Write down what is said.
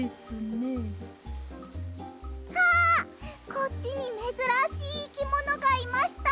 こっちにめずらしいいきものがいました。